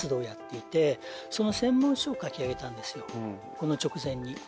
この直前に。